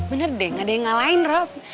bener deh gak ada yang ngalahin rob